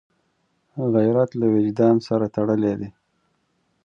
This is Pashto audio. غیرت له وجدان سره تړلی دی